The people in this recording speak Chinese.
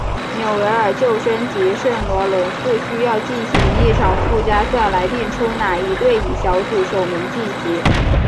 纽维尔旧生及圣罗伦素需要进行一场附加赛来定出哪一队以小组首名晋级。